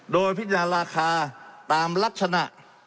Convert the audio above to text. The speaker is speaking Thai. โดยพิจารณาราคาตามลักษณะ